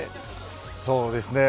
そうですね。